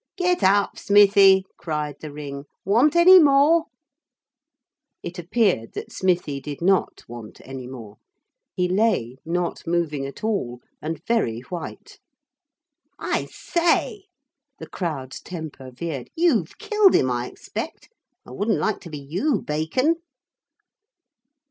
'Get up, Smithie,' cried the ring. 'Want any more?' It appeared that Smithie did not want any more. He lay, not moving at all, and very white. 'I say,' the crowd's temper veered, 'you've killed him, I expect. I wouldn't like to be you, Bacon.'